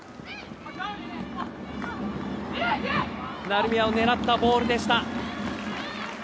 成宮を狙ったボールでした。